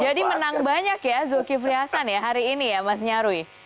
jadi menang banyak ya zulkifli hasan ya hari ini ya mas nyaruy